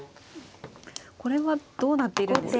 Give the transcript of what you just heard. これはどうなっているんですか。